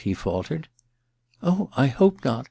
' he faltered. ^ Oh, I hope not.